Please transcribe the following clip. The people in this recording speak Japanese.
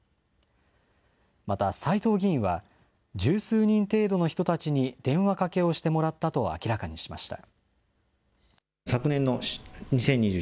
また、斎藤議員は、十数人程度の人たちに電話かけをしてもらったと明らかにしました。